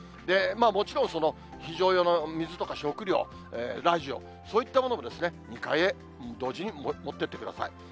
もちろん、その非常用の水とか食料、ラジオ、そういったものも２階へ同時に持っていってください。